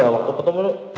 waktu pertama oke